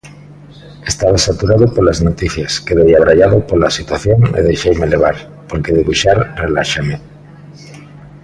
Estaba saturado polas noticias, quedei abraiado pola situación e deixeime levar, porque debuxar reláxame.